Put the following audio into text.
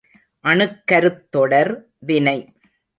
அணுக் கருத் தொடர் வினை.